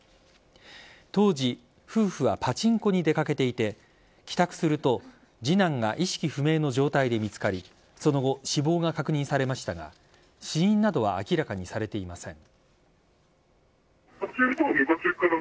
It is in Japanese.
当時、夫婦はパチンコに出掛けていて帰宅すると次男が意識不明の状態で見つかりその後、死亡が確認されましたが死因などは明らかにされていません。